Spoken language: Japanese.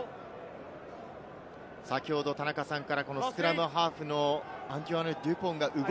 先ほど田中さんからスクラムハーフのアントワーヌ・デュポンが動